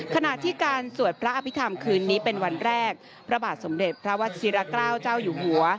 ขณะที่การสวดพระอภิษฐรรมคืนนี้เป็นวันแรกพระบาทสมเด็จพระวัชิระเกล้าเจ้าอยู่หัว